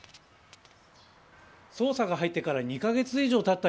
捜査が入ってから２カ月以上たった